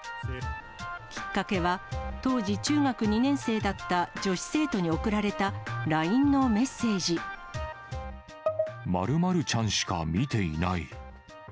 きっかけは、当時、中学２年生だった女子生徒に送られたＬＩＮＥ○○ちゃんしか見ていない。